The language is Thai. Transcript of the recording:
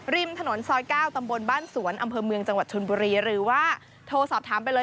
ริมถนนซอย๙ตำบลบ้านสวนอำเภอเมืองจังหวัดชนบุรีหรือว่าโทรสอบถามไปเลย